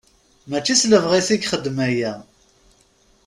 Mačči s lebɣi-s i ixeddem aya.